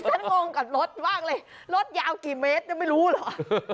ที่ฉันงงกับรถว่างเลยรถยาวกี่เมตรยังไม่รู้หรอก